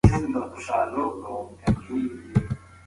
ایا د خیر محمد غریبي به د هغه د همت مخه ونیسي؟